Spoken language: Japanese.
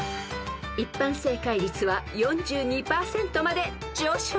［一般正解率は４２％まで上昇］